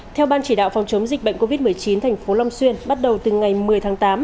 theo ban chỉ đạo phòng chống dịch bệnh covid một mươi chín thành phố long xuyên bắt đầu từ ngày một mươi tháng tám